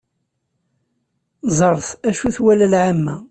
Ẓret acu twala lɛamma.